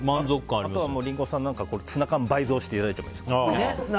あとリンゴさんはツナ缶を倍増していただいても。